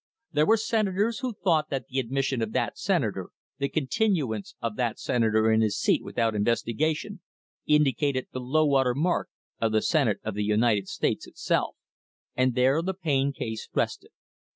... There were Senators who thought that the admission of that Senator, the continuance of that Senator in his seat without investigation, indicated the low water mark of the Senate of the United States itself." * And there the Payne case rested.